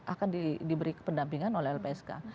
akan diberi pendampingan oleh lpsk